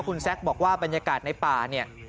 คุณแซคบอกว่าบรรยากาศในป่าเนี่ย